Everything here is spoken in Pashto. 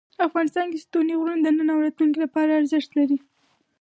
افغانستان کې ستوني غرونه د نن او راتلونکي لپاره ارزښت لري.